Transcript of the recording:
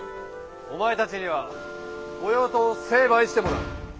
お前たちには御用盗を成敗してもらう。